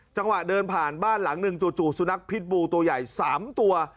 จังหวะเดินผ่านบ้านหลังหนึ่งจู่สุนัขพิษบูตัวใหญ่๓ตัว